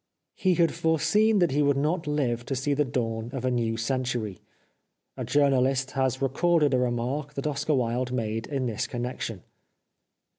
He had foreseen that he would not live to see the dawn of the new century. A journalist has recorded a remark that Oscar Wilde made in this connection.